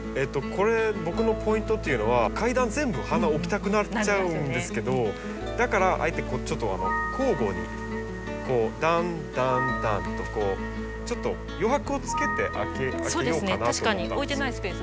これ僕のポイントっていうのは階段全部花置きたくなっちゃうんですけどだからあえてこうちょっと交互にこうだんだんだんとちょっと余白をつけてあけようかなと思ったんです。